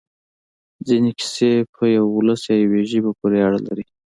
ځینې کیسې په یوه ولس یا یوې ژبې پورې اړه لري.